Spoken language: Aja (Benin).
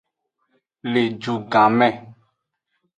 Le ju gan me.